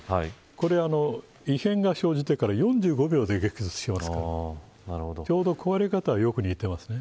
これは異変が生じてから４５秒で激突していますからちょうど壊れ方はよく似てますね。